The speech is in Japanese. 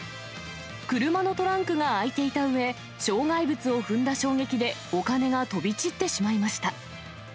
車のトランクが開いていたうえ、障害物を踏んだ衝撃で、お金が飛び散ってしまいました。